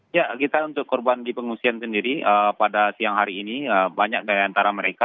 ya gita untuk korban di pengungsian sendiri pada siang hari ini banyak dari antara mereka